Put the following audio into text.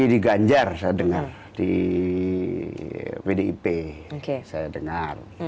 di ganjar saya dengar di pdip saya dengar